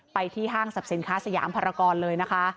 ที่ห้างสรรพสินค้าสยามภารกรเลยนะคะ